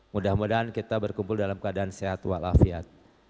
mudah mudahan kita berkumpul dalam keadaan sehat walafiat